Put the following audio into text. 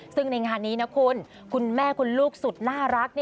ซึ่งในงานนี้นะคุณคุณแม่คุณลูกสุดน่ารัก